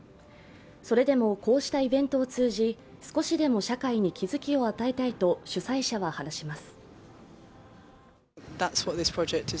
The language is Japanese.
それでも、こうしたイベントを通じ少しでも社会に気付きを与えたいと主催者は話します。